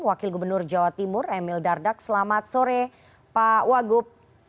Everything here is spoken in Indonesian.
wakil gubernur jawa timur emil dardak selamat sore pak wagub